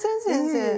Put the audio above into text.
先生。